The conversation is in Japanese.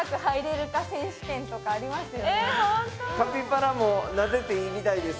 カピバラもなでていいみたいです。